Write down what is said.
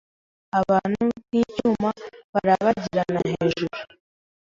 Abantu, nkicyuma, barabagirana hejuru.